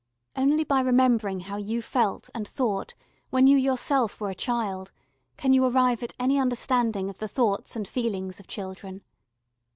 Only by remembering how you felt and thought when you yourself were a child can you arrive at any understanding of the thoughts and feelings of children.